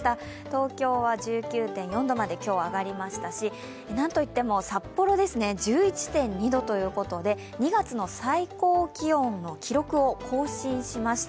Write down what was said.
東京は１９．４度まで今日上がりましたしなんと言っても札幌ですね、１１．２度ということで２月の最高気温の記録を更新しました。